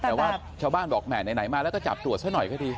แต่ว่าชาวบ้านบอกแหมไหนมาแล้วก็จับตรวจซะหน่อยก็ดี